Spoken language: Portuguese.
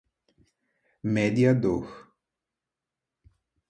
mediador